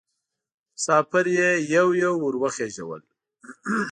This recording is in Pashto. مسافر یې یو یو ور وخېژول.